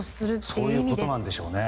そういうことなんでしょうね。